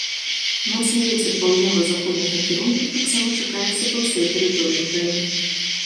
Моцны вецер паўднёва-заходняга кірунку таксама чакаецца па ўсёй тэрыторыі краіны.